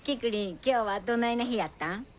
今日はどないな日やったん？